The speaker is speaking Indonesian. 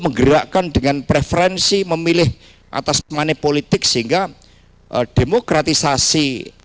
menggerakkan dengan preferensi memilih atas money politik sehingga demokratisasi